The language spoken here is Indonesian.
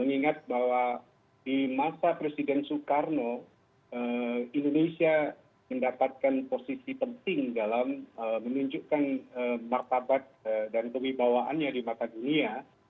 mengingat bahwa di masa presiden soekarno indonesia mendapatkan posisi penting dalam menunjukkan martabat dan kewibawaannya di mata dunia